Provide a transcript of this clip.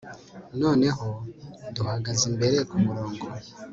Noneho duhagaze imbere kumurongo